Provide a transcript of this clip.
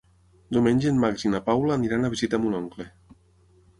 Diumenge en Max i na Paula aniran a visitar mon oncle.